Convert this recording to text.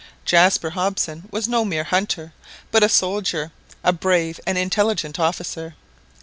Jaspar Hobson was no mere hunter, but a soldier, a brave and intelligent officer.